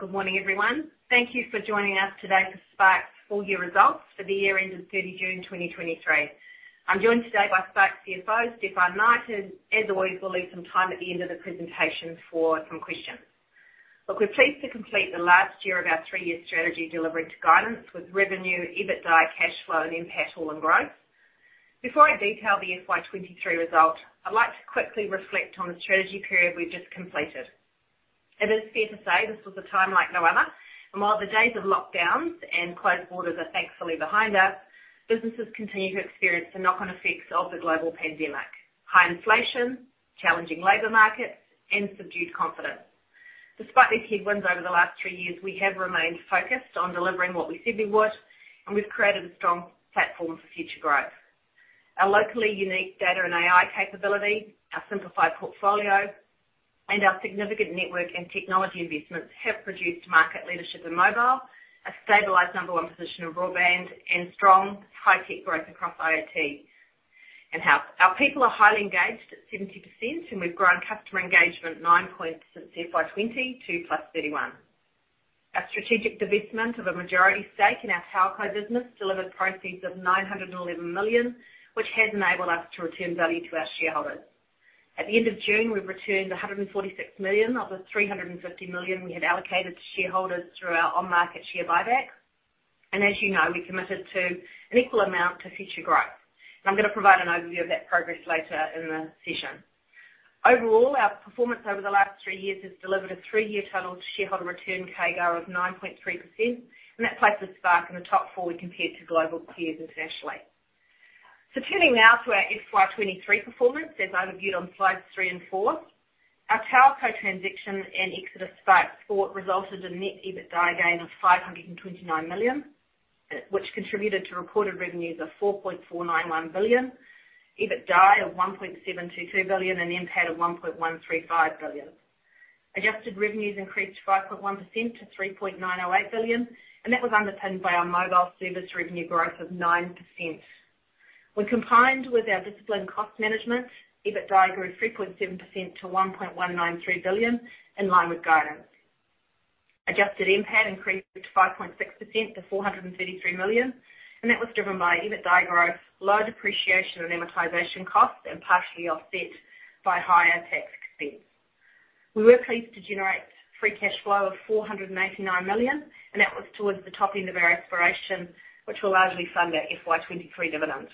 Good morning, everyone. Thank you for joining us today for Spark's full year results for the year ending 30 June 2023. I'm joined today by Spark's CFO, Stefan Knight. As always, we'll leave some time at the end of the presentation for some questions. Look, we're pleased to complete the last year of our three-year strategy delivery to guidance with revenue, EBITDA, cash flow, and NPAT all in growth. Before I detail the FY23 results, I'd like to quickly reflect on the strategy period we've just completed. It is fair to say this was a time like no other. While the days of lockdowns and closed borders are thankfully behind us, businesses continue to experience the knock-on effects of the global pandemic: high inflation, challenging labor markets, and subdued confidence. Despite these headwinds over the last three years, we have remained focused on delivering what we said we would, and we've created a strong platform for future growth. Our locally unique data and AI capability, our simplified portfolio, and our significant network and technology investments have produced market leadership in mobile, a stabilized number one position in broadband, and strong high-tech growth across IoT. Our, our people are highly engaged at 70%, and we've grown customer engagement nine points since FY20 to +31. Our strategic divestment of a majority stake in our Connexa business delivered proceeds of NZD 911 million, which has enabled us to return value to our shareholders. At the end of June, we've returned NZD 146 million of the NZD 350 million we had allocated to shareholders through our on-market share buyback. As you know, we committed to an equal amount to future growth. I'm gonna provide an overview of that progress later in the session. Overall, our performance over the last three years has delivered a three-year total shareholder return CAGR of 9.3%. That places Spark in the top four when compared to global peers internationally. Turning now to our FY23 performance, as I reviewed on slides three and four, our Connexa transaction and exit of Spark Sport resulted in net EBITDA gain of 529 million, which contributed to reported revenues of 4.491 billion, EBITDA of 1.722 billion, and NPAT of 1.135 billion. Adjusted revenues increased 5.1% to 3.908 billion, that was underpinned by our mobile service revenue growth of 9%. When combined with our disciplined cost management, EBITDA grew 3.7% to 1.193 billion, in line with guidance. Adjusted NPAT increased to 5.6% to 433 million, that was driven by EBITDA growth, low depreciation and amortization costs, partially offset by higher tax expense. We were pleased to generate free cash flow of 489 million, that was towards the top end of our aspiration, which will largely fund our FY23 dividend.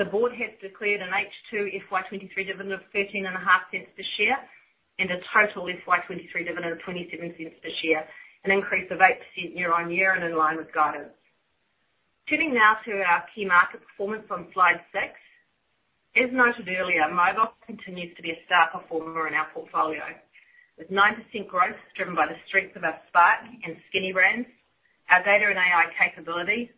The board has declared an H2 FY23 dividend of 0.135 per share, and a total FY23 dividend of 0.27 per share, an increase of 8% year-on-year and in line with guidance. Turning now to our key market performance on slide 6. As noted earlier, mobile continues to be a star performer in our portfolio, with 9% growth driven by the strength of our Spark and Skinny brands, our data and AI capabilities,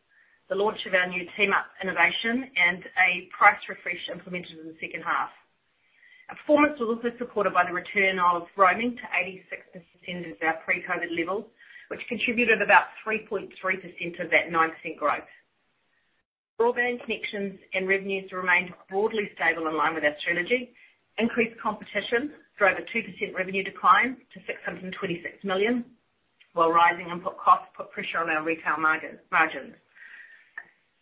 the launch of our new Team Up innovation, and a price refresh implemented in the second half. Our performance was also supported by the return of roaming to 86% of our pre-COVID levels, which contributed about 3.3% of that 9% growth. Broadband connections and revenues remained broadly stable in line with our strategy. Increased competition drove a 2% revenue decline to 626 million, while rising input costs put pressure on our retail margin.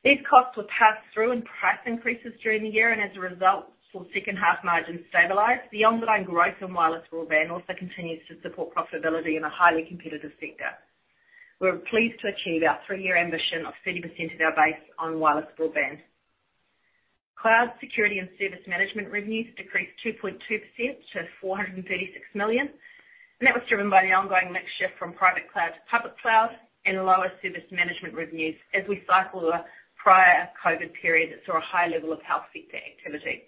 These costs were passed through in price increases during the year, as a result, saw second-half margins stabilize. The underlying growth in wireless broadband also continues to support profitability in a highly competitive sector. We're pleased to achieve our three-year ambition of 30% of our base on wireless broadband. Cloud, security, and service management revenues decreased 2.2% to 436 million, that was driven by the ongoing mix shift from private cloud to public cloud and lower service management revenues as we cycle a prior COVID period that saw a high level of health sector activity.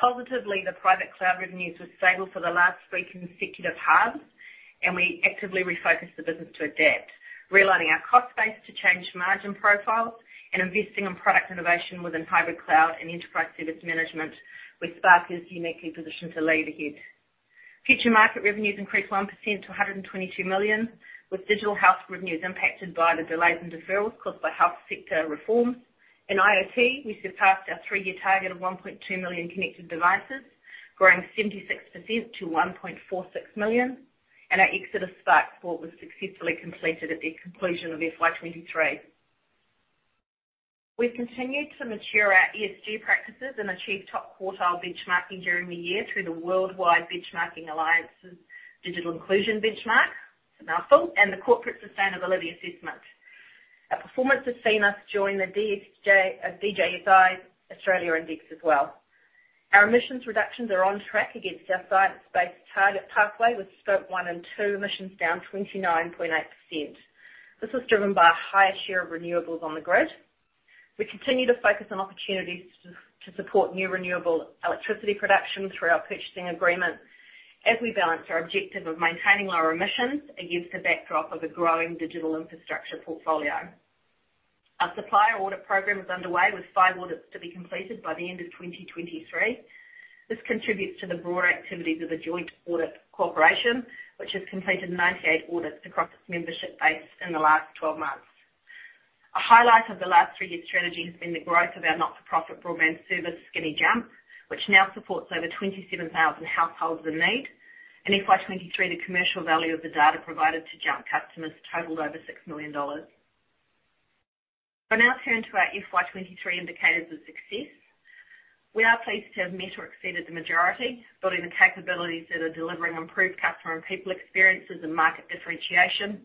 Positively, the private cloud revenues were stable for the last three consecutive halves, and we actively refocused the business to adapt, realigning our cost base to change margin profiles and investing in product innovation within hybrid cloud and enterprise service management, where Spark is uniquely positioned to lead ahead. Future market revenues increased 1% to 122 million, with digital health revenues impacted by the delays and deferrals caused by health sector reforms. In IoT, we surpassed our 3-year target of 1.2 million connected devices, growing 76% to 1.46 million, and our exit of Spark Sport was successfully completed at the conclusion of FY23. We've continued to mature our ESG practices and achieve top-quartile benchmarking during the year through the World Benchmarking Alliance's Digital Inclusion Benchmark, it's a mouthful, and the Corporate Sustainability Assessment. Our performance has seen us join the DJSI Australia index as well. Our emissions reductions are on track against our science-based target pathway, with scope one and two emissions down 29.8%. This was driven by a higher share of renewables on the grid. We continue to focus on opportunities to support new renewable electricity production through our purchasing agreements as we balance our objective of maintaining lower emissions against the backdrop of a growing digital infrastructure portfolio. Our supplier audit program is underway, with five audits to be completed by the end of 2023. This contributes to the broader activities of the Joint Audit Cooperation, which has completed 98 audits across its membership base in the last 12 months. A highlight of the last 3-year strategy has been the growth of our not-for-profit broadband service, Skinny Jump, which now supports over 27,000 households in need. In FY23, the commercial value of the data provided to Jump customers totaled over 6 million dollars. I'll now turn to our FY23 indicators of success. We are pleased to have met or exceeded the majority, building the capabilities that are delivering improved customer and people experiences and market differentiation,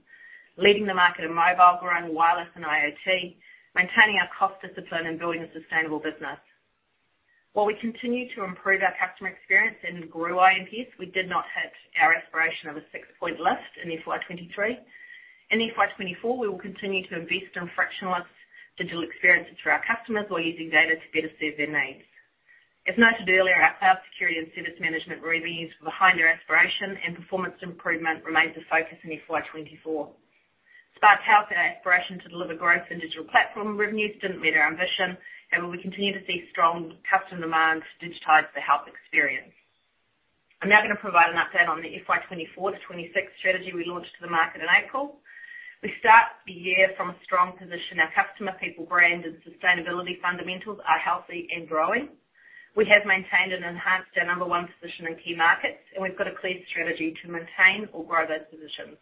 leading the market in mobile, growing wireless and IoT, maintaining our cost discipline, and building a sustainable business. While we continued to improve our customer experience and grew iNPS, we did not hit our aspiration of a 6-point lift in FY23. In FY24, we will continue to invest in fractionalized digital experiences for our customers while using data to better serve their needs. As noted earlier, our cloud security and service management revenues were behind their aspiration. Performance improvement remains a focus in FY24. Spark Health and aspiration to deliver growth in digital platform revenues didn't meet our ambition. We continue to see strong customer demand to digitize the health experience. I'm now going to provide an update on the FY24-FY26 strategy we launched to the market in April. We start the year from a strong position. Our customer, people, brand, and sustainability fundamentals are healthy and growing. We have maintained and enhanced our number one position in key markets. We've got a clear strategy to maintain or grow those positions.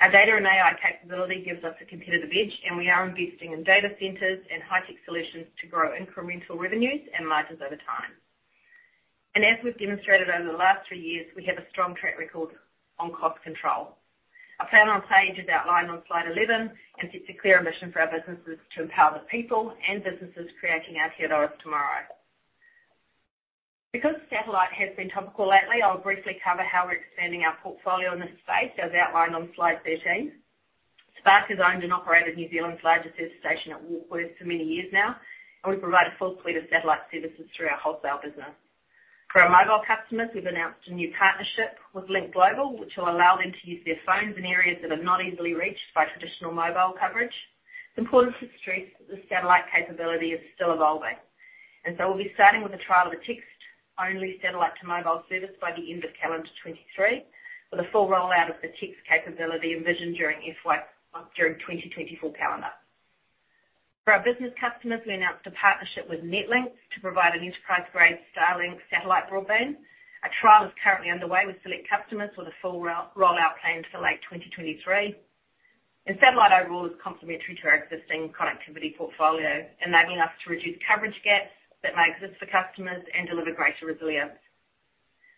Our data and AI capability gives us a competitive edge, and we are investing in data centers and high-tech solutions to grow incremental revenues and margins over time. As we've demonstrated over the last 3 years, we have a strong track record on cost control. Our plan on page is outlined on slide 11 and sets a clear mission for our businesses to empower the people and businesses creating our Aotearoa tomorrow. Because satellite has been topical lately, I'll briefly cover how we're expanding our portfolio in this space, as outlined on slide 13. Spark has owned and operated New Zealand's largest service station at Warkworth for many years now, and we provide a full fleet of satellite services through our wholesale business. For our mobile customers, we've announced a new partnership with Lynk Global, which will allow them to use their phones in areas that are not easily reached by traditional mobile coverage. It's important to stress that the satellite capability is still evolving, and so we'll be starting with a trial of a text-only satellite-to-mobile service by the end of calendar 2023, with a full rollout of the text capability envisioned during FY, during 2024 calendar. For our business customers, we announced a partnership with Netlinkz to provide an enterprise-grade Starlink satellite broadband. A trial is currently underway with select customers, with a full rollout planned for late 2023. Satellite overall is complementary to our existing connectivity portfolio, enabling us to reduce coverage gaps that may exist for customers and deliver greater resilience.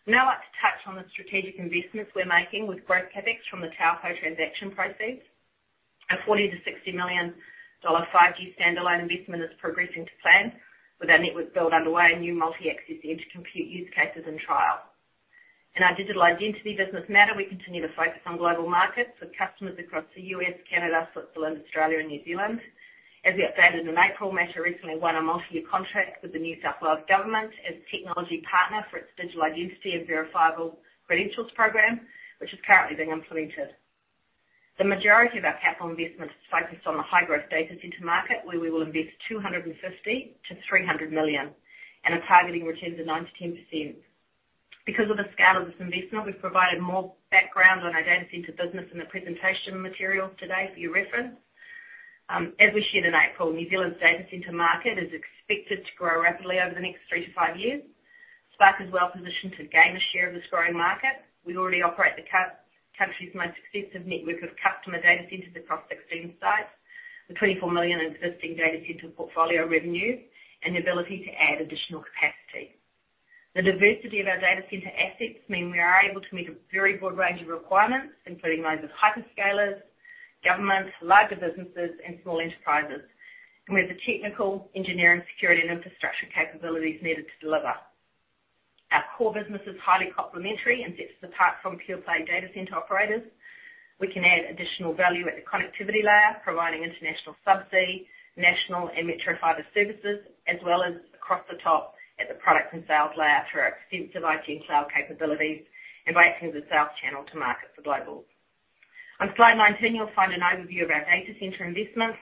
I'd now like to touch on the strategic investments we're making with growth CapEx from the Connexa transaction proceeds. Our 40 million-60 million dollar 5-year 5G Standalone investment is progressing to plan, with our network build underway and new Multi-Access Edge Computing use cases in trial. In our digital identity business MATTR, we continue to focus on global markets, with customers across the US, Canada, Switzerland, Australia, and New Zealand. As we updated in April, MATTR recently won a multi-year contract with the New South Wales government as technology partner for its digital identity and verifiable credentials program, which is currently being implemented. The majority of our capital investment is focused on the high-growth data center market, where we will invest 250 million-300 million, and are targeting returns of 9%-10%. Because of the scale of this investment, we've provided more background on our data center business in the presentation materials today for your reference. As we shared in April, New Zealand's data center market is expected to grow rapidly over the next 3 to 5 years. Spark is well positioned to gain a share of this growing market. We already operate the country's most extensive network of customer data centers across 16 sites, with 24 million in existing data center portfolio revenue, and the ability to add additional capacity. The diversity of our data center assets mean we are able to meet a very broad range of requirements, including those of hyperscalers, governments, larger businesses, and small enterprises. We have the technical, engineering, security, and infrastructure capabilities needed to deliver. Our core business is highly complementary and sets us apart from pure-play data center operators. We can add additional value at the connectivity layer, providing international subsea, national and metro fiber services, as well as across the top at the product and sales layer through our extensive IT and cloud capabilities and by acting as a sales channel to market for globals. On slide 19, you'll find an overview of our data center investments.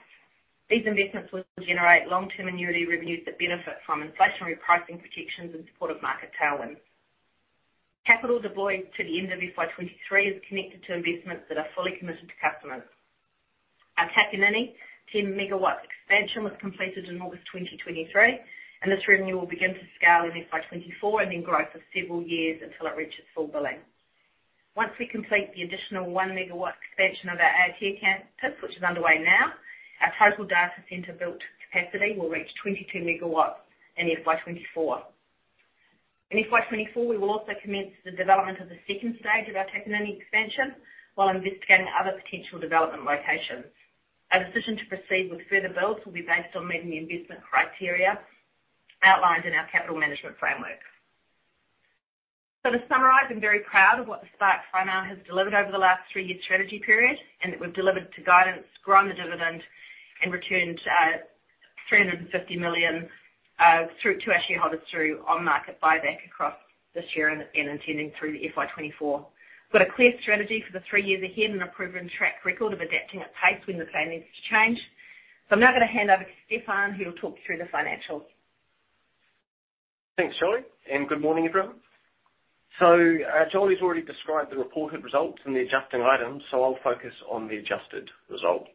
These investments will generate long-term annuity revenues that benefit from inflationary pricing protections and supportive market tailwinds. Capital deployed to the end of FY23 is connected to investments that are fully committed to customers. Our Takanini 10 MW expansion was completed in August 2023, and this revenue will begin to scale in FY24 and then grow for several years until it reaches full billing. Once we complete the additional 1 MW expansion of our Aotea campus, which is underway now, our total data center built capacity will reach 22 megawatts in FY24. In FY24, we will also commence the development of the second stage of our Takanini expansion while investigating other potential development locations. Our decision to proceed with further builds will be based on meeting the investment criteria outlined in our capital management framework. To summarize, I'm very proud of what the Spark whānau has delivered over the last three-year strategy period, and that we've delivered to guidance, grown the dividend, and returned 350 million through to our shareholders through on-market buyback across this year and, and intending through FY24. We've got a clear strategy for the three years ahead and a proven track record of adapting at pace when the plan needs to change. I'm now going to hand over to Stefan, who will talk you through the financials.... Thanks, Jolie, and good morning, everyone. Jolie's already described the reported results and the adjusting items, so I'll focus on the adjusted results.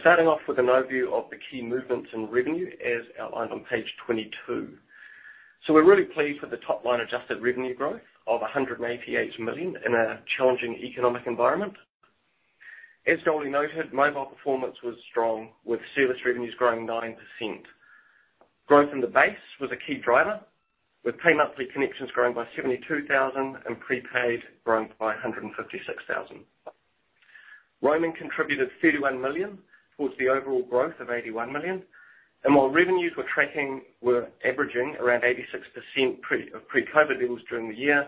Starting off with an overview of the key movements in revenue, as outlined on page 22. We're really pleased with the top line adjusted revenue growth of 188 million in a challenging economic environment. As Jolie noted, mobile performance was strong, with service revenues growing 9%. Growth in the base was a key driver, with pay monthly connections growing by 72,000 and prepaid growing by 156,000. Roaming contributed 31 million towards the overall growth of 81 million, and while revenues were averaging around 86% of pre-COVID levels during the year,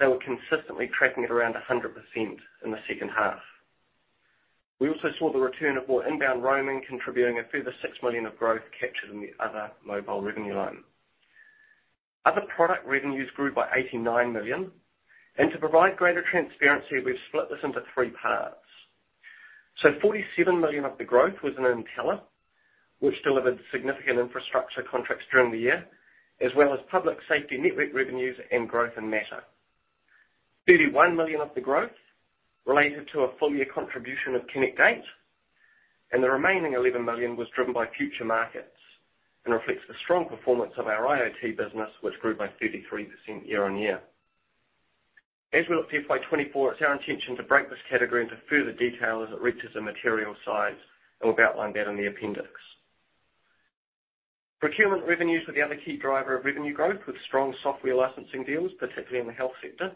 they were consistently tracking at around 100% in the second half. We also saw the return of more inbound roaming, contributing a further 6 million of growth captured in the other mobile revenue line. Other product revenues grew by 89 million, and to provide greater transparency, we've split this into three parts. 47 million of the growth was in Entelar, which delivered significant infrastructure contracts during the year, as well as public safety network revenues and growth in Meta. 31 million of the growth related to a full year contribution of Connect 8, and the remaining 11 million was driven by future markets and reflects the strong performance of our IoT business, which grew by 33% year-on-year. As we look to FY24, it's our intention to break this category into further detail as it reaches a material size, and we've outlined that in the appendix. Procurement revenues were the other key driver of revenue growth, with strong software licensing deals, particularly in the health sector.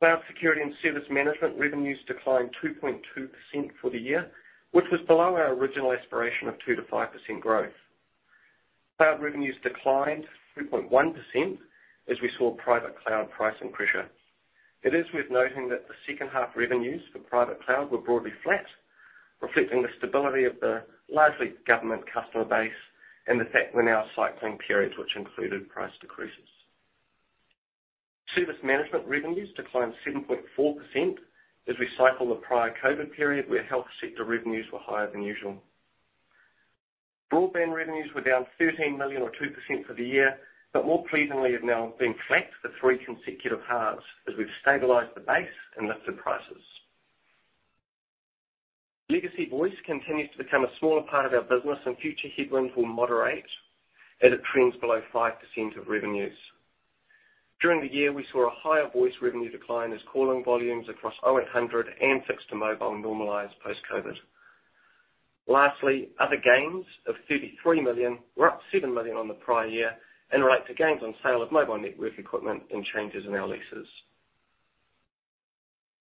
Cloud security and service management revenues declined 2.2% for the year, which was below our original aspiration of 2%-5% growth. Cloud revenues declined 3.1% as we saw private cloud pricing pressure. It is worth noting that the second half revenues for private cloud were broadly flat, reflecting the stability of the largely government customer base and the fact we're now cycling periods which included price decreases. Service management revenues declined 7.4% as we cycle the prior COVID period, where health sector revenues were higher than usual. Broadband revenues were down 13 million, or 2% for the year, but more pleasingly have now been flat for three consecutive halves as we've stabilized the base and lifted prices. Legacy voice continues to become a smaller part of our business, future headwinds will moderate as it trends below 5% of revenues. During the year, we saw a higher voice revenue decline as calling volumes across 0800 and fixed to mobile normalized post-COVID. Lastly, other gains of 33 million were up 7 million on the prior year and relate to gains on sale of mobile network equipment and changes in our leases.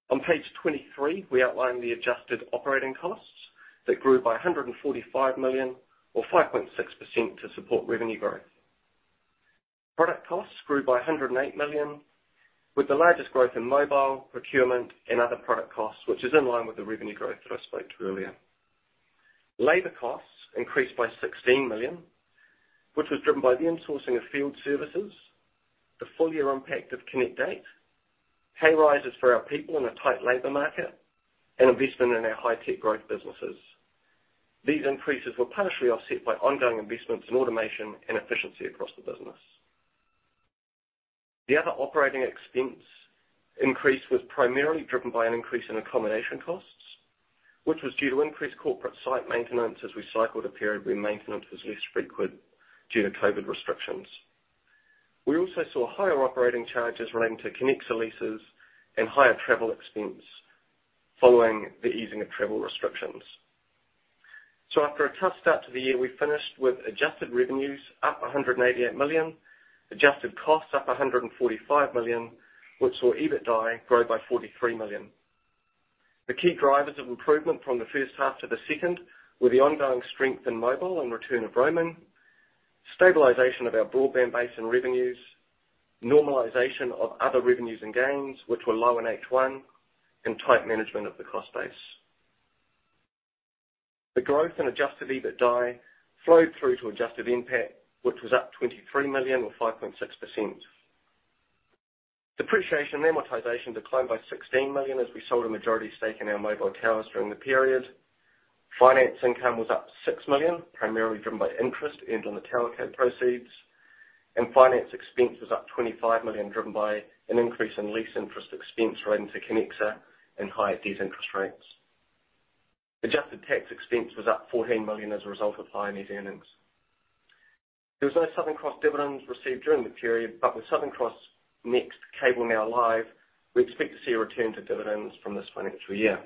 On page 23, we outline the adjusted operating costs that grew by 145 million or 5.6% to support revenue growth. Product costs grew by 108 million, with the largest growth in mobile, procurement, and other product costs, which is in line with the revenue growth that I spoke to earlier. Labor costs increased by 16 million, which was driven by the insourcing of field services, the full year impact of Connect ei, ht pay rises for our people in a tight labor market, and investment in our high-tech growth businesses. These increases were partially offset by ongoing investments in automation and efficiency across the business. The other operating expense increase was primarily driven by an increase in accommodation costs, which was due to increased corporate site maintenance as we cycled a period where maintenance was less frequent due to COVID restrictions. We also saw higher operating charges relating to Connexa leases and higher travel expense following the easing of travel restrictions. After a tough start to the year, we finished with adjusted revenues up 188 million, adjusted costs up 145 million, which saw EBITDA grow by 43 million. The key drivers of improvement from the first half to the second were the ongoing strength in mobile and return of roaming, stabilization of our broadband base and revenues, normalization of other revenues and gains which were low in H1, and tight management of the cost base. The growth in adjusted EBITDA flowed through to adjusted NPAT, which was up 23 million or 5.6%. Depreciation and amortization declined by 16 million as we sold a majority stake in our mobile towers during the period. Finance income was up 6 million, primarily driven by interest earned on the Connexa proceeds, and finance expense was up 25 million, driven by an increase in lease interest expense relating to Connexa and higher debt interest rates. Adjusted tax expense was up NZD 14 million as a result of higher net earnings. There was no Southern Cross dividends received during the period. With Southern Cross NEXT cable now live, we expect to see a return to dividends from this financial year.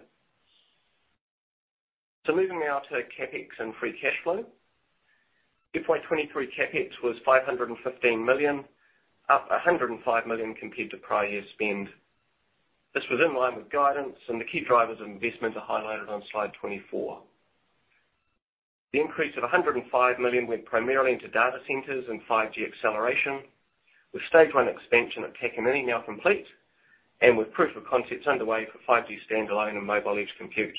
Moving now to CapEx and free cash flow. FY23 CapEx was 515 million, up 105 million compared to prior year spend. This was in line with guidance. The key drivers of investment are highlighted on slide 24. The increase of 105 million went primarily into data centers and 5G acceleration, with stage one expansion at Takanini now complete and with proof of concepts underway for 5G Standalone and Mobile Edge Computing.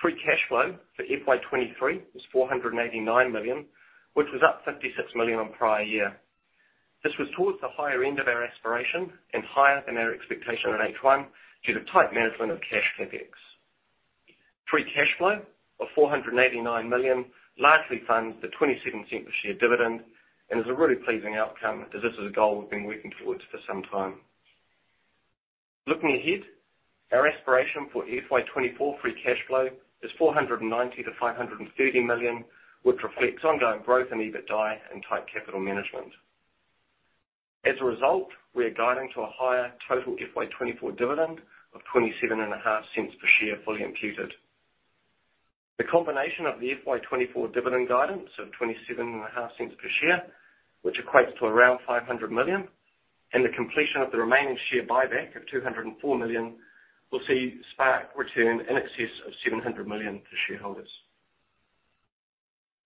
Free cash flow for FY23 was NZD 489 million, which was up NZD 56 million on prior year. This was towards the higher end of our aspiration and higher than our expectation in H1, due to tight management of cash CapEx. Free cash flow of 489 million largely funds the 0.27 per share dividend and is a really pleasing outcome, as this is a goal we've been working towards for some time. Looking ahead, our aspiration for FY24 free cash flow is 490 million-530 million, which reflects ongoing growth in EBITDAI and tight capital management. As a result, we are guiding to a higher total FY24 dividend of 0.275 per share, fully imputed. The combination of the FY24 dividend guidance of 0.275 per share, which equates to around 500 million, and the completion of the remaining share buyback of 204 million, will see Spark return in excess of 700 million to shareholders.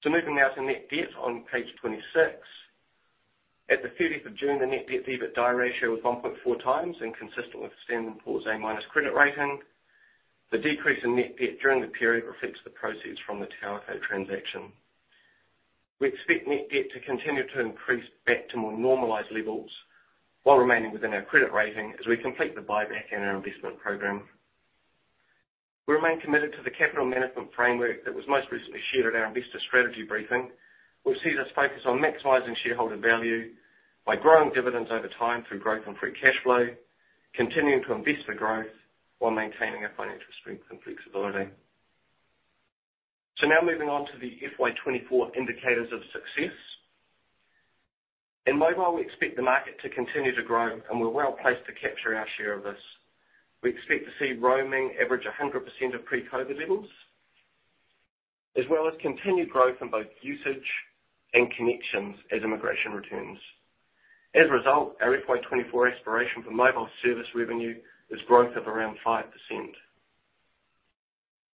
Moving now to net debt on page 26. At the 30th of June, the net debt-to-EBITDA ratio was 1.4 times and consistent with Standard & Poor's A- credit rating. The decrease in net debt during the period reflects the proceeds from the TowerCo transaction. We expect net debt to continue to increase back to more normalized levels while remaining within our credit rating as we complete the buyback and our investment program. We remain committed to the capital management framework that was most recently shared at our investor strategy briefing, which sees us focus on maximizing shareholder value by growing dividends over time through growth and free cash flow, continuing to invest for growth while maintaining our financial strength and flexibility. Now moving on to the FY24 indicators of success. In mobile, we expect the market to continue to grow, and we're well placed to capture our share of this. We expect to see roaming average 100% of pre-COVID levels, as well as continued growth in both usage and connections as immigration returns. As a result, our FY24 aspiration for mobile service revenue is growth of around 5%.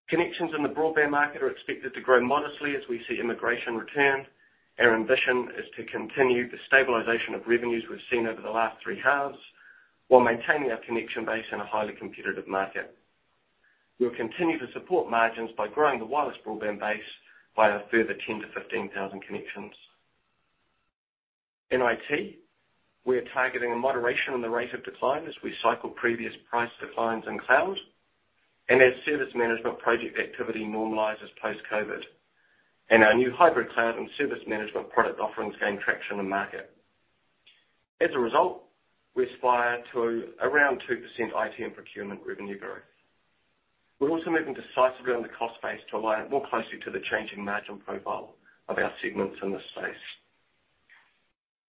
Connections in the broadband market are expected to grow modestly as we see immigration return. Our ambition is to continue the stabilization of revenues we've seen over the last 3 halves, while maintaining our connection base in a highly competitive market. We'll continue to support margins by growing the wireless broadband base by a further 10,000-15,000 connections. In IT, we are targeting a moderation on the rate of decline as we cycle previous price declines in cloud, and as service management project activity normalizes post-COVID, and our new hybrid cloud and service management product offerings gain traction in the market. As a result, we aspire to around 2% IT and procurement revenue growth. We're also moving decisively on the cost base to align it more closely to the changing margin profile of our segments in this space.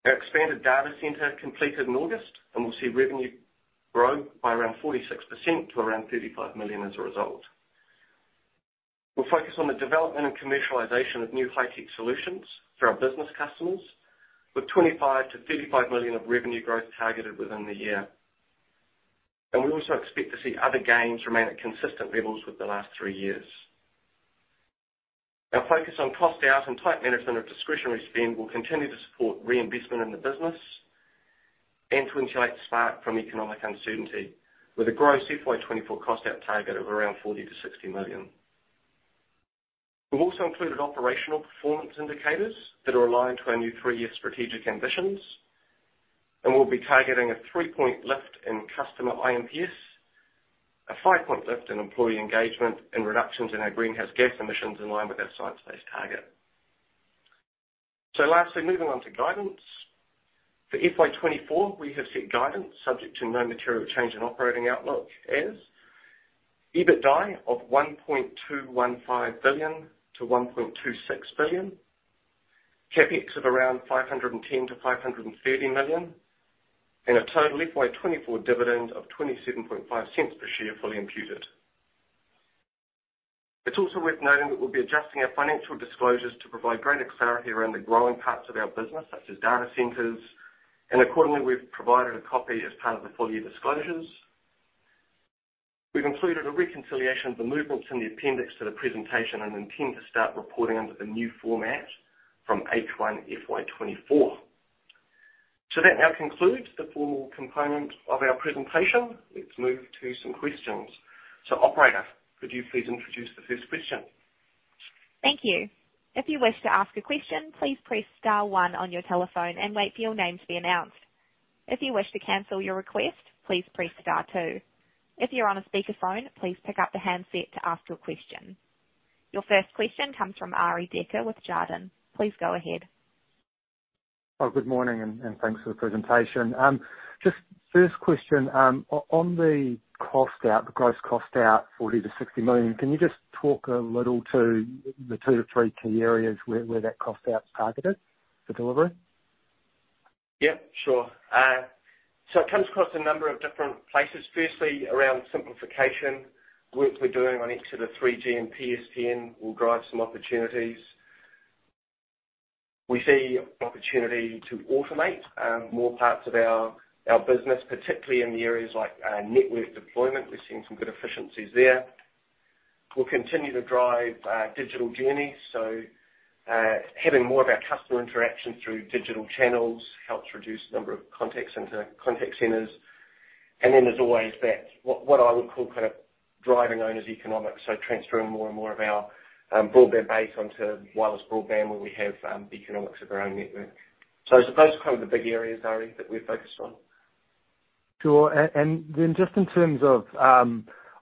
Our expanded data center completed in August, and we'll see revenue grow by around 46% to around 35 million as a result. We'll focus on the development and commercialization of new high-tech solutions for our business customers, with 25 million-35 million of revenue growth targeted within the year. We also expect to see other gains remain at consistent levels with the last three years. Our focus on cost out and tight management of discretionary spend will continue to support reinvestment in the business and to insulate Spark from economic uncertainty with a gross FY24 cost out target of around 40 million-60 million. We've also included operational performance indicators that are aligned to our new three-year strategic ambitions, and we'll be targeting a three-point lift in customer INPS, a five-point lift in employee engagement, and reductions in our greenhouse gas emissions in line with our science-based target. Lastly, moving on to guidance. For FY24, we have set guidance subject to no material change in operating outlook as: EBITDAI of 1.215 billion-1.26 billion, CapEx of around 510 million-530 million, and a total FY24 dividend of 0.275 per share, fully imputed. It's also worth noting that we'll be adjusting our financial disclosures to provide greater clarity around the growing parts of our business, such as data centers, and accordingly, we've provided a copy as part of the full year disclosures. We've included a reconciliation of the movements in the appendix to the presentation and intend to start reporting under the new format from H1 FY24. That now concludes the formal component of our presentation. Let's move to some questions. Operator, could you please introduce the first question? Thank you. If you wish to ask a question, please press star one on your telephone and wait for your name to be announced. If you wish to cancel your request, please press star two. If you're on a speakerphone, please pick up the handset to ask your question. Your first question comes from Arie Dekker with Jarden. Please go ahead. Oh, good morning, and thanks for the presentation. Just first question, on the cost out, the gross cost out, 40 million-60 million, can you just talk a little to the 2 to 3 key areas where, where that cost out is targeted for delivery? Yeah, sure. It comes across a number of different places. Firstly, around simplification, work we're doing on exit of 3G and PSTN will drive some opportunities. We see opportunity to automate more parts of our business, particularly in the areas like network deployment. We're seeing some good efficiencies there. We'll continue to drive digital journeys, so having more of our customer interaction through digital channels helps reduce the number of contact centers. Then there's always that, what, what I would call kind of driving owners economics, so transferring more and more of our broadband base onto wireless broadband, where we have the economics of our own network. I suppose kind of the big areas, Ari, that we're focused on. Sure. Then just in terms of, I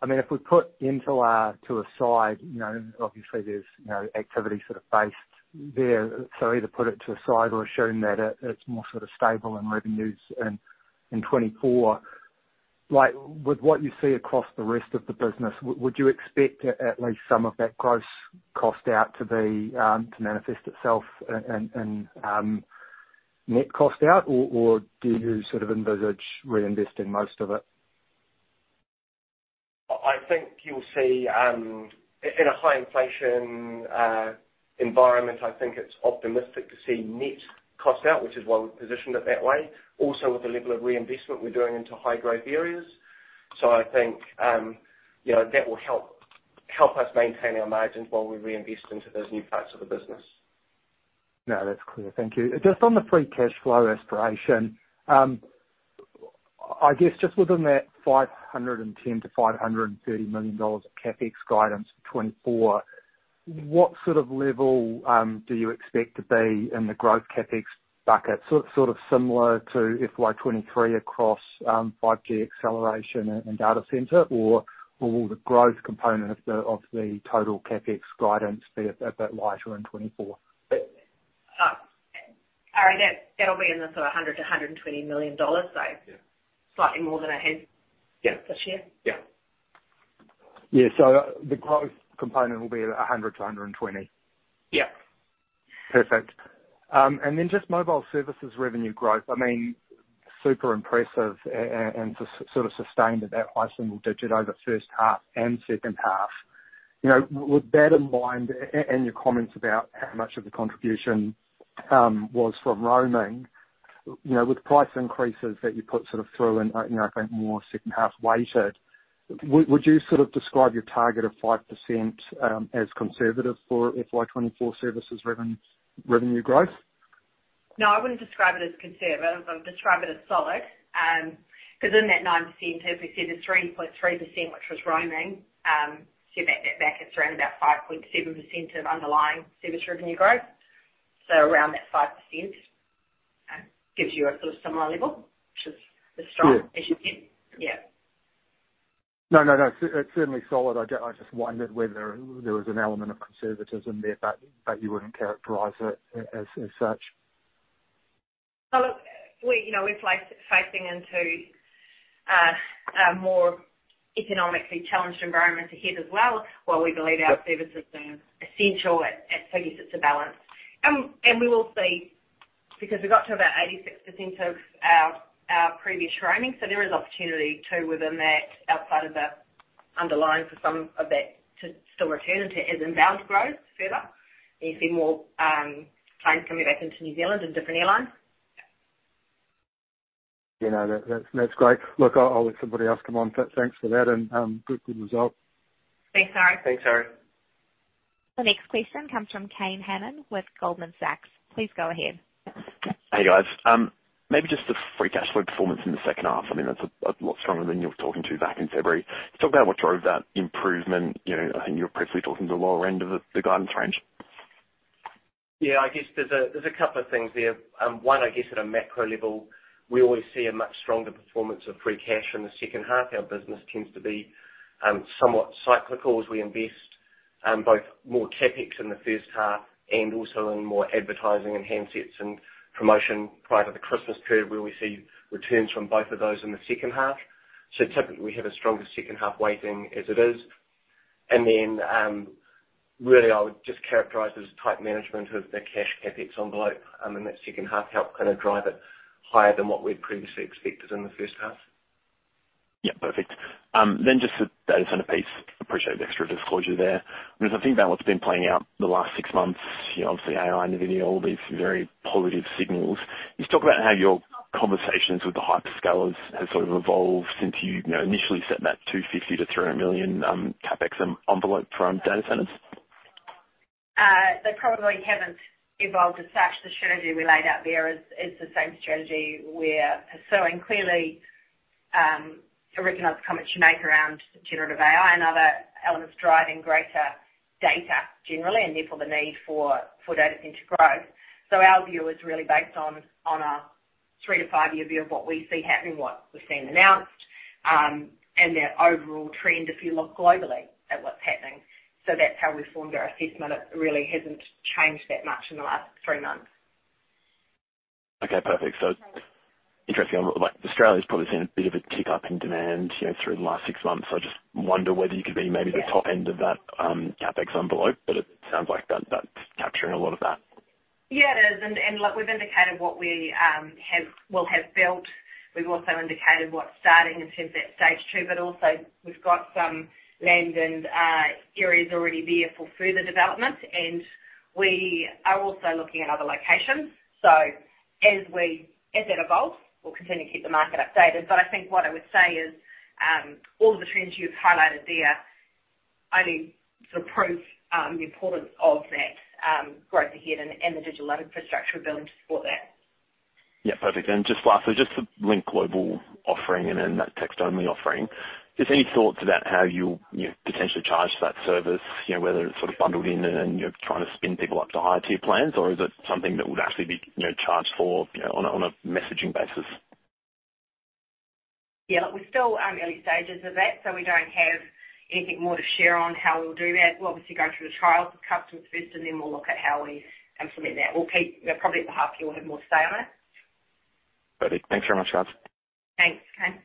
mean, if we put Intel to a side, you know, obviously there's, you know, activity sort of based there. Either put it to a side or assume that it, it's more sort of stable in revenues in, in 2024. Like, with what you see across the rest of the business, would you expect at least some of that gross cost out to be, to manifest itself in net cost out? Or do you sort of envisage reinvesting most of it? I think you'll see, in a high inflation environment, I think it's optimistic to see net cost out, which is why we've positioned it that way. With the level of reinvestment we're doing into high growth areas. I think, you know, that will help us maintain our margins while we reinvest into those new parts of the business. No, that's clear. Thank you. Just on the free cash flow aspiration, I guess just within that 510 million-530 million dollars of CapEx guidance for 2024, what sort of level do you expect to be in the growth CapEx bucket? So sort of similar to FY 2023 across 5G acceleration and data center, or, or will the growth component of the, of the total CapEx guidance be a bit lighter in 2024? Harry, that'll be in the sort of a 100 million-120 million dollars size. Yeah. Slightly more than I had. Yeah this year. Yeah. Yeah. The growth component will be 100-120? Yeah. Perfect. Just mobile services revenue growth, I mean, super impressive and sort of sustained at that high single digit over first half and second half. You know, with that in mind, and your comments about how much of the contribution was from roaming, you know, with price increases that you put sort of through and, you know, I think more second half weighted, would you sort of describe your target of 5%, as conservative for FY24 services revenue growth? No, I wouldn't describe it as conservative. I'd describe it as solid. 'Cause in that 9%, as we said, the 3.3%, which was roaming, so that, that back, it's around about 5.7% of underlying service revenue growth. Around that 5%, gives you a sort of similar level, which is as strong- Yeah. as you get. Yeah. No, no, no, it's certainly solid. I just wondered whether there was an element of conservatism there, but, but you wouldn't characterize it as, as such. Well, look, we, you know, we're face-facing into a more economically challenged environment ahead as well, while we believe our services are essential. Yes, it's a balance. We will see, because we got to about 86% of our, our previous roaming, so there is opportunity, too, within that, outside of the underlying for some of that to still return to as inbound growth further. You see more planes coming back into New Zealand and different airlines. Yeah, no, that's, that's great. Look, I'll, I'll let somebody else come on. Thanks for that and, good, good result. Thanks, Arie Thanks, Arie The next question comes from Kane Hannan with Goldman Sachs. Please go ahead. Hey, guys. Maybe just the free cash flow performance in the second half. I mean, that's a lot stronger than you were talking to back in February. Just talk about what drove that improvement. You know, I think you were previously talking to the lower end of the guidance range. Yeah, I guess there's a couple of things there. One, I guess at a macro level, we always see a much stronger performance of free cash in the second half. Our business tends to be somewhat cyclical as we invest both more CapEx in the first half and also in more advertising and handsets and promotion prior to the Christmas period, where we see returns from both of those in the second half. Typically, we have a stronger second half weighting as it is. Then, really, I would just characterize it as tight management of the cash CapEx envelope in that second half help kind of drive it higher than what we'd previously expected in the first half. Yeah, perfect. Just the data center piece. Appreciate the extra disclosure there. I think about what's been playing out in the last six months, you know, obviously AI, Nvidia, all these very positive signals. Just talk about how your conversations with the hyperscalers has sort of evolved since you, you know, initially set that 250 million-300 million CapEx en-envelope for data centers. They probably haven't evolved as such. The strategy we laid out there is, is the same strategy we're pursuing. Clearly, recognize the comments you make around generative AI and other elements driving greater data generally, and therefore the need for, for data center growth. Our view is really based on, on a 3 to 5-year view of what we see happening, what we're seeing announced, and that overall trend, if you look globally at what's happening. That's how we formed our assessment. It really hasn't changed that much in the last 3 months. Okay, perfect. Interesting, like, Australia's probably seen a bit of a tick-up in demand, you know, through the last six months. I just wonder whether you could be maybe the top end of that CapEx envelope, but it sounds like that's, that's capturing a lot of that. Yeah, it is. Look, we've indicated what we have will have built. We've also indicated what's starting in terms of that stage two, but also we've got some land and areas already there for further development, and we are also looking at other locations. As we as that evolves, we'll continue to keep the market updated. I think what I would say is, all of the trends you've highlighted there only sort of prove the importance of that growth ahead and, and the digital infrastructure we're building to support that. Yeah, perfect. Just lastly, just to Lynk Global offering and then that text-only offering. Just any thoughts about how you'll, you know, potentially charge for that service? You know, whether it's sort of bundled in and, and, you know, trying to spin people up to higher tier plans, or is it something that would actually be, you know, charged for, you know, on a, on a messaging basis? Yeah, we're still, early stages of that, so we don't have anything more to share on how we'll do that. We'll obviously go through the trials with customers first, and then we'll look at how we implement that. Probably at the half year, we'll have more to say on it. Thanks very much, guys. Thanks, Kane.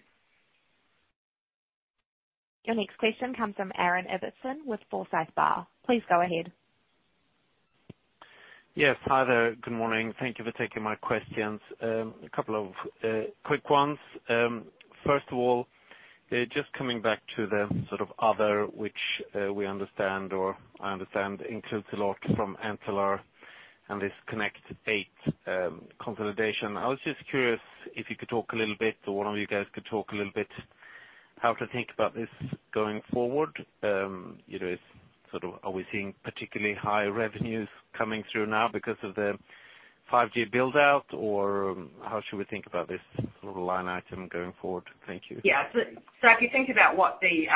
Your next question comes from Aaron Epperson with Forsyth Barr. Please go ahead. Yes. Hi there. Good morning. Thank you for taking my questions. A couple of quick ones. First of all, just coming back to the sort of other, which we understand or I understand includes a lot from Antler and this Connect fû consolidation. I was just curious if you could talk a little bit, or one of you guys could talk a little bit, how to think about this going forward. You know, is sort of are we seeing particularly high revenues coming through now because of the 5G build-out? Or, how should we think about this sort of line item going forward? Thank you. Yeah. If you think about what the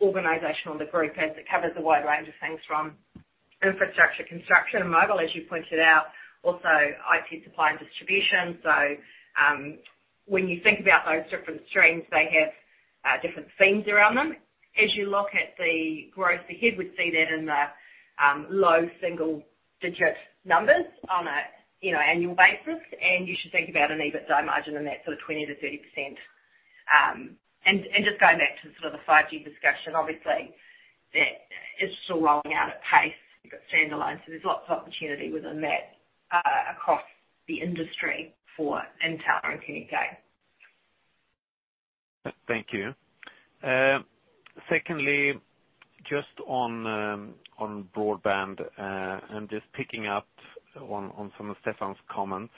organization or the group is, it covers a wide range of things from infrastructure, construction, and mobile, as you pointed out, also IT supply and distribution. When you think about those different streams, they have different themes around them. As you look at the growth ahead, we see that in the low single-digit numbers on a, you know, annual basis, and you should think about an EBITDA margin in that sort of 20%-30%. Just going back to sort of the 5G discussion, obviously, that is still rolling out at pace. You've got standalone, so there's lots of opportunity within that across the industry for Intel and Communicaid. Thank you. Secondly, just on, on broadband, and just picking up on, on some of Stefan's comments.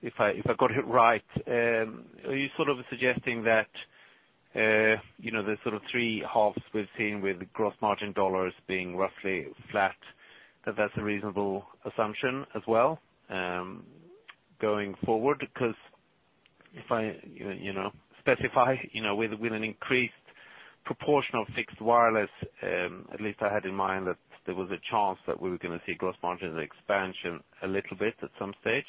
If I, if I got it right, are you sort of suggesting that, you know, the sort of 3 halves we've seen with gross margin dollars being roughly flat, that that's a reasonable assumption as well, going forward? If I, you know, specify, you know, with, with an increased proportion of fixed wireless, at least I had in mind that there was a chance that we were gonna see gross margins expansion a little bit at some stage,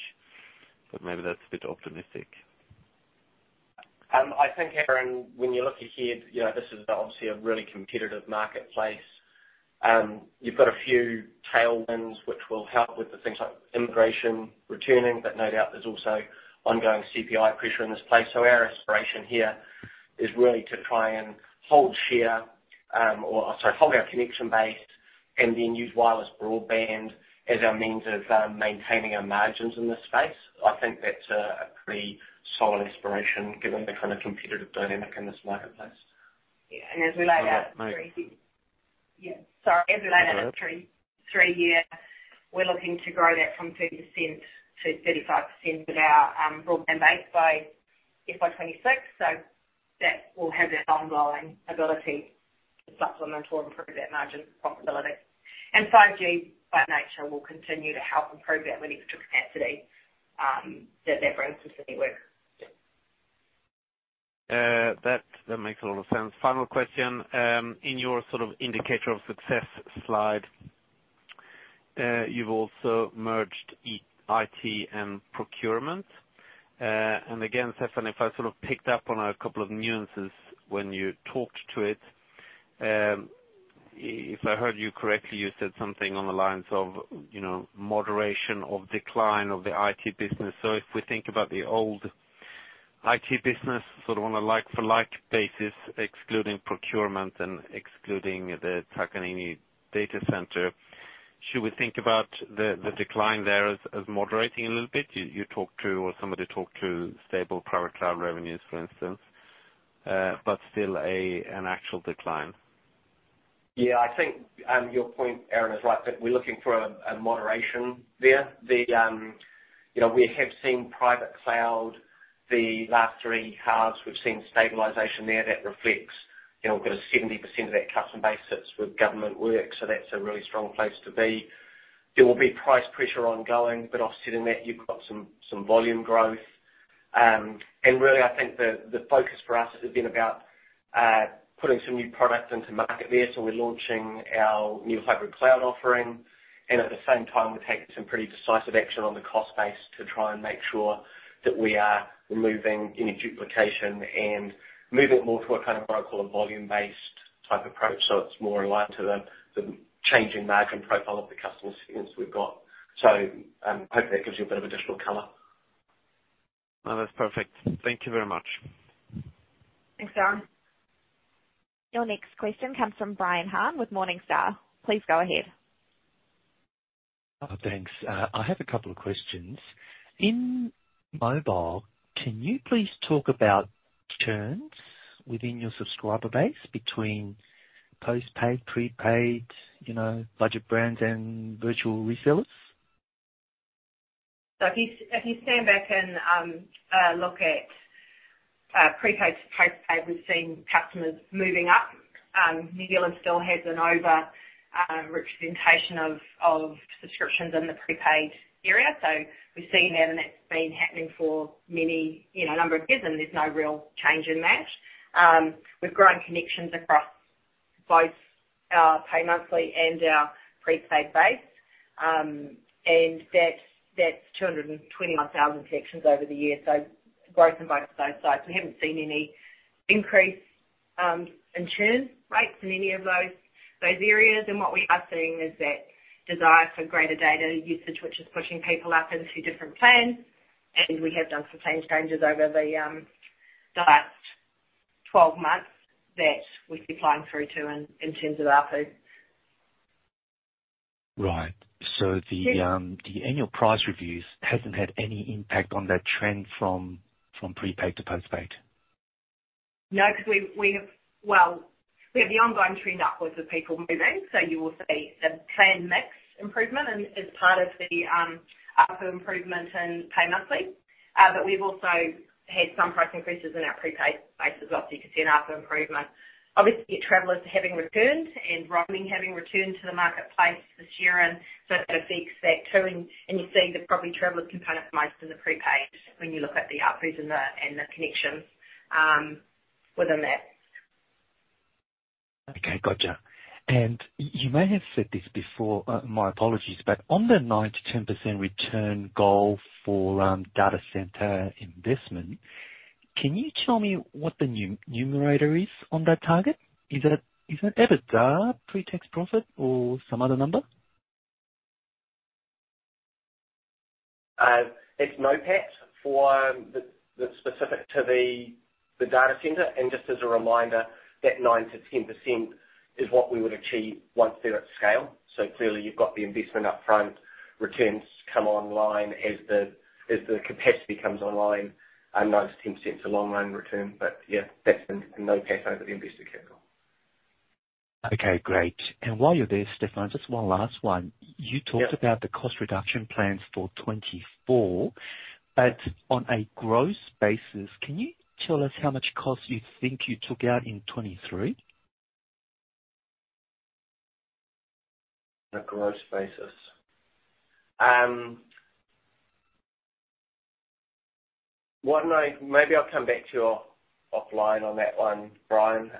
but maybe that's a bit optimistic. I think, Aaron, when you look ahead, you know, this is obviously a really competitive marketplace. You've got a few tailwinds which will help with the things like immigration returning, but no doubt there's also ongoing CPI pressure in this place. Our aspiration here is really to try and hold share, or sorry, hold our connection base and then use wireless broadband as our means of maintaining our margins in this space. I think that's a pretty solid aspiration, given the kind of competitive dynamic in this marketplace. As we laid out 3 years. Sorry. As we laid out 3 years, we're looking to grow that from 30% to 35% with our broadband base by FY26. That will have that ongoing ability to supplement or improve that margin profitability. 5G, by nature, will continue to help improve that with extra capacity that that brings to the network. That, that makes a lot of sense. Final question: In your sort of indicator of success slide, you've also merged IT and procurement. Again, Stefan, if I sort of picked up on a couple of nuances when you talked to it, if I heard you correctly, you said something on the lines of, you know, moderation of decline of the IT business. If we think about the old IT business, sort of on a like-for-like basis, excluding procurement and excluding the Takanini data center, should we think about the, the decline there as, as moderating a little bit? You, you talked to or somebody talked to stable private cloud revenues, for instance, but still an actual decline. Yeah, I think, your point, Aaron, is right, that we're looking for a, a moderation there. The, you know, we have seen private cloud, the last three halves, we've seen stabilization there. That reflects, you know, we've got a 70% of that customer base sits with government work. That's a really strong place to be. There will be price pressure ongoing. Offsetting that, you've got some, some volume growth. Really, I think the, the focus for us has been about putting some new products into market there. We're launching our new hybrid cloud offering. At the same time, we're taking some pretty decisive action on the cost base to try and make sure that we are removing any duplication and moving it more to a kind of what I call a volume-based type approach. It's more aligned to the, the changing margin profile of the customer experience we've got. Hopefully that gives you a bit of additional color. Oh, that's perfect. Thank you very much. Thanks, Aaron. Your next question comes from Brian Han with Morningstar. Please go ahead. Thanks. I have a couple of questions. In mobile, can you please talk about churn within your subscriber base between post-paid, prepaid, you know, budget brands and virtual resellers? If you, if you stand back and look at prepaid to post-paid, we've seen customers moving up. New Zealand still has an over representation of subscriptions in the prepaid area, so we've seen that, and that's been happening for many, you know, number of years, and there's no real change in that. We've grown connections both our pay monthly and our prepaid base, and that's 221,000 connections over the year, so growth in both those sides. We haven't seen any increase in churn rates in any of those, those areas. What we are seeing is that desire for greater data usage, which is pushing people up into different plans. We have done some plan changes over the last 12 months that we've been applying through to in, in terms of ARPU. Right. The annual price reviews hasn't had any impact on that trend from, from prepaid to postpaid? No, because we, we have... Well, we have the ongoing trend upwards of people moving, so you will see a plan mix improvement and as part of the ARPU improvement in pay monthly. We've also had some price increases in our prepaid base as well, so you can see an ARPU improvement. Obviously, travelers having returned and roaming having returned to the marketplace this year, so that's a big factor too. You're seeing the probably travelers component most in the prepaid when you look at the ARPU and the connections within that. Okay, gotcha. You may have said this before, my apologies, but on the 9%-10% return goal for data center investment, can you tell me what the numerator is on that target? Is it, is it EBITDA, pre-tax profit, or some other number? It's NOPAT for the, the specific to the, the data center. Just as a reminder, that 9%-10% is what we would achieve once they're at scale. Clearly, you've got the investment upfront, returns come online as the, as the capacity comes online, and 9%-10% is a long-run return. Yeah, that's the NOPAT that we invest the capital. Okay, great. While you're there, Stefan, just one last one? Yep. You talked about the cost reduction plans for 2024, but on a gross basis, can you tell us how much cost you think you took out in 2023? On a gross basis. Maybe I'll come back to you offline on that one, Brian.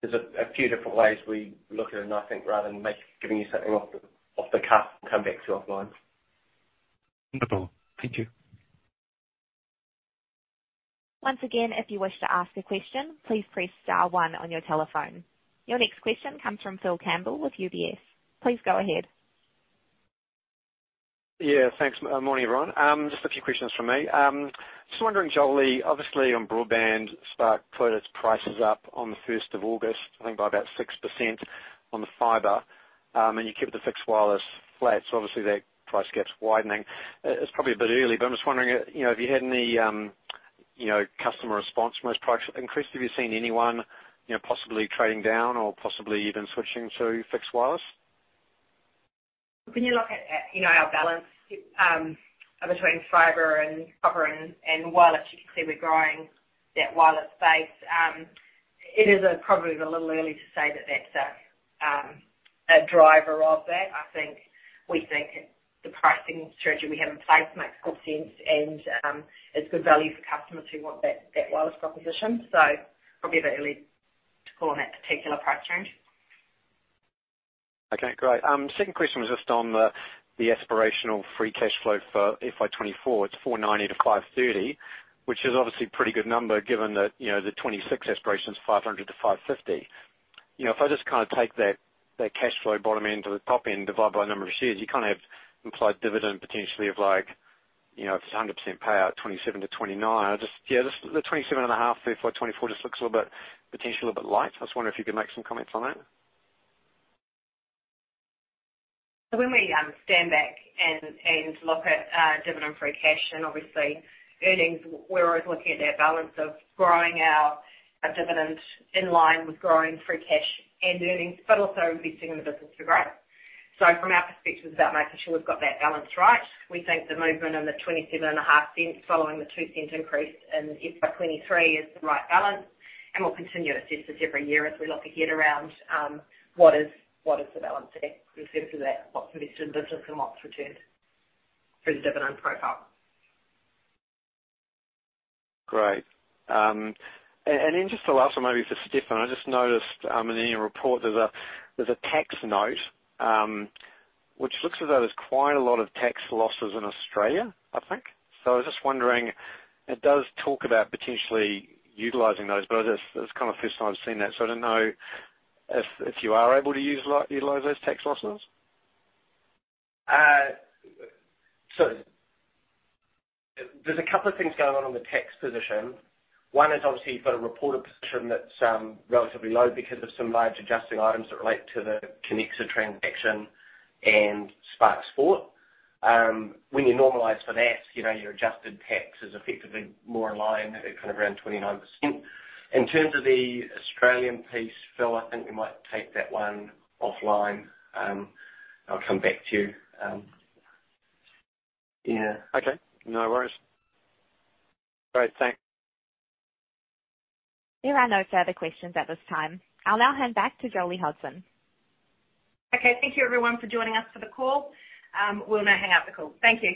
There's a few different ways we look at it, and I think rather than giving you something off the, off the cuff, I'll come back to you offline. Wonderful. Thank you. Once again, if you wish to ask a question, please press star one on your telephone. Your next question comes from Philip Campbell with UBS. Please go ahead. Yeah, thanks. Morning, everyone. Just a few questions from me. Just wondering, Jolie, obviously on broadband, Spark put its prices up on the 1st of August, I think by about 6% on the fiber, and you kept the fixed wireless flat, so obviously that price gap's widening. It's probably a bit early, but I'm just wondering if, you know, have you had any, you know, customer response from those price increase? Have you seen anyone, you know, possibly trading down or possibly even switching to fixed wireless? When you look at, at, you know, our balance between fiber and copper and wireless, you can see we're growing that wireless base. It is probably a little early to say that that's a driver of that. I think, we think the pricing strategy we have in place makes good sense and it's good value for customers who want that, that wireless proposition. Probably a bit early to call on that particular price change. Okay, great. Second question was just on the, the aspirational free cash flow for FY24. It's 490-530, which is obviously a pretty good number given that, you know, the FY26 aspiration is 500-550. You know, if I just kind of take that, that cash flow bottom end to the top end, divide by number of shares, you kind of have implied dividend potentially of like, you know, if it's a 100% payout, 0.27-0.29. Just, yeah, just the 0.275 for FY24 just looks a little bit, potentially a little bit light. I was wondering if you could make some comments on that. When we stand back and look at dividend-free cash and obviously earnings, we're always looking at that balance of growing our dividend in line with growing free cash and earnings, but also investing in the business for growth. From our perspective, it's about making sure we've got that balance right. We think the movement in 0.275, following the 0.02 increase in FY23, is the right balance, and we'll continue to assess this every year as we look ahead around what is the balance there in terms of that, what's invested in the business and what's returned through the dividend profile. Great. Then just the last one, maybe for Stefan. I just noticed in your report, there's a, there's a tax note, which looks as though there's quite a lot of tax losses in Australia, I think. I was just wondering, it does talk about potentially utilizing those, but that's, that's kind of the first time I've seen that. I don't know if, if you are able to use, utilize those tax losses? There's a couple of things going on in the tax position. 1 is obviously you've got a reported position that's relatively low because of some large adjusting items that relate to the Connexa transaction and Spark Sport. When you normalize for that, you know, your adjusted tax is effectively more in line at kind of around 29%. In terms of the Australian piece, Phil, I think we might take that one offline. I'll come back to you. Yeah. Okay, no worries. Great. Thanks. There are no further questions at this time. I'll now hand back to Jolie Hodson. Okay. Thank you, everyone, for joining us for the call. We'll now hang up the call. Thank you.